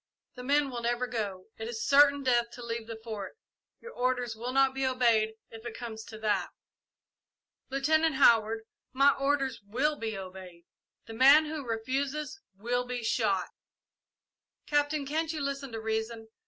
The men will never go. It is certain death to leave the Fort. Your orders will not be obeyed, if it comes to that." "Lieutenant Howard, my orders will be obeyed. The man who refuses will be shot." "Captain, can't you listen to reason?